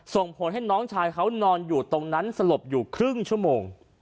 ส่งผลให้น้องชายเขานอนอยู่ตรงนั้นสลบอยู่ครึ่งชั่วโมง